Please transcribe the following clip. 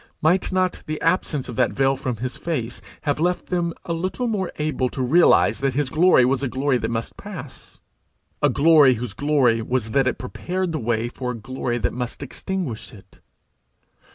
Might not the absence of that veil from his face have left them a little more able to realize that his glory was a glory that must pass, a glory whose glory was that it prepared the way for a glory that must extinguish it?